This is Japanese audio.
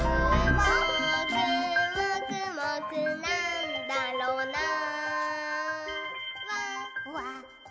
「もーくもくもくなんだろなぁ」